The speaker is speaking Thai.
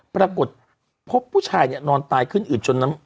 ปรากฏพบผู้ชายเนี่ยนอนตายขึ้นอืดจนน้ำ